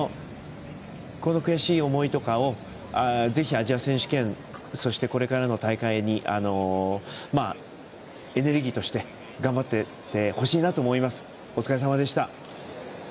この悔しい思いとかをぜひ、アジア選手権そして、これからの大会にエネルギーとして頑張っていってほしいなと思います。